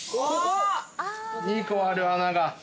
２個ある穴が！